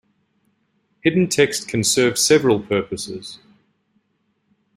Hidden text can serve several purposes.